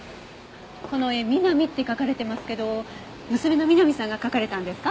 この絵「Ｍｉｎａｍｉ」って書かれてますけど娘の美波さんが描かれたんですか？